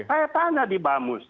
saya tanya di bamus